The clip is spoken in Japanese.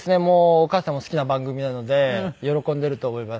お母さんも好きな番組なので喜んでいると思います。